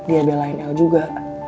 dia belain el juga